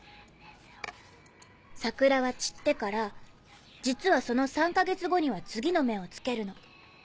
桜は散ってから実はその３か月後には次の芽をつけるの。